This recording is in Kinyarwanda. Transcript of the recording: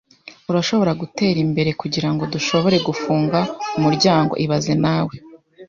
Urashobora gutera imbere kugirango dushobore gufunga umuryango ibaze nawe